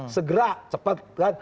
segera cepat kan